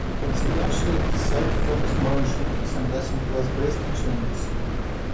Consequentially, the society focused more on genetics and less on class-based eugenics.